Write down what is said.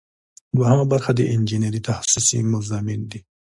دوهم برخه د انجنیری تخصصي مضامین دي.